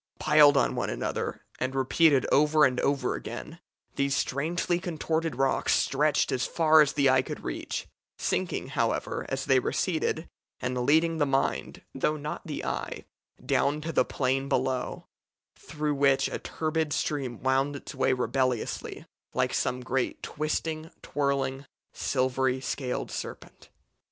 Piled on one another, and repeated over and over again, these strangely contorted rocks stretched as far as the eye could reach, sinking, however, as they receded, and leading the mind, though not the eye, down to the plain below, through which a turbid stream wound its way rebelliously, like some great twisting, twirling, silvery scaled serpent.